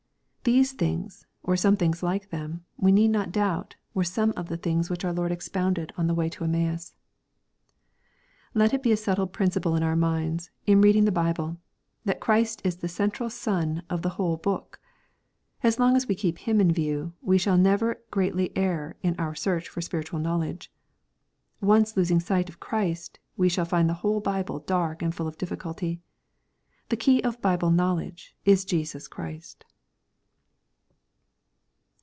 These things, or some thing like them, we need not doubt, were some of the things which our Lord expounded in the way to Emmaus. Let it be a settled principle in our minds, in reading the Bible, that Christ is the central sun of the whole book. So long as we keep Him in view, we shall never greatly err in our search for spiritual knowledge. Once losing sight of Christ, we shall find the whole Bible dark and full of difficulty. The key of Bible knowledge is Jesus Christ.